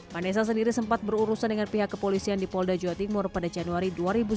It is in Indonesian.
vanessa sendiri sempat berurusan dengan pihak kepolisian di polda jawa timur pada januari dua ribu sembilan belas